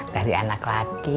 dari anak laki